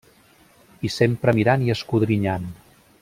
I sempre mirant i escodrinyant!